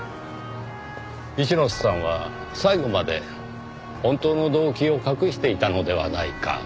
一之瀬さんは最後まで本当の動機を隠していたのではないか。